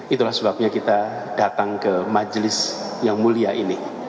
itulah sebabnya kita datang ke majelis yang mulia ini